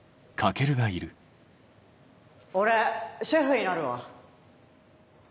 俺シェフになるわ。